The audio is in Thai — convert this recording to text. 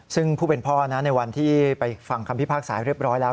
ซึ่งผู้เป็นพ่อนะในวันที่ไปฟังคำพิพากษาเรียบร้อยแล้ว